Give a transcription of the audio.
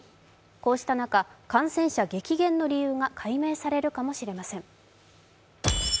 こうした中、感染者激減の理由が解明されるかもしれません。